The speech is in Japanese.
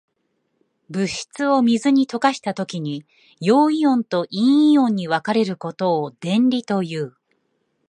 物質を水に溶かしたときに、陽イオンと陰イオンに分かれることを電離という。